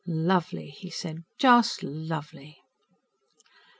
"Lovely," he said. "Just lovely."